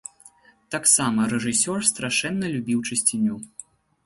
Таксама рэжысёр страшэнна любіў чысціню.